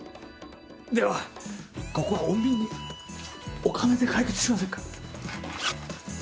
ではここは穏便にお金で解決しませんか？